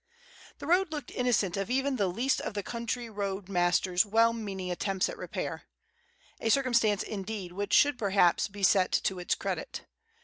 The road looked innocent of even the least of the country road master's well meaning attempts at repair, a circumstance, indeed, which should perhaps be set to its credit.